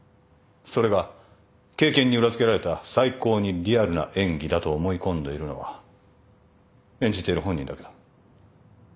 それが経験に裏付けられた最高にリアルな演技だと思い込んでいるのは演じている本人だけだ。